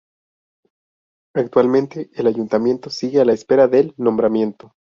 Actualmente, el Ayuntamiento sigue a la espera del nombramiento.